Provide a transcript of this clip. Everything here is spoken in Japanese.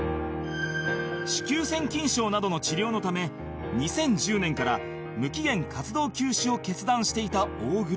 子宮腺筋症などの治療のため２０１０年から無期限活動休止を決断していた大黒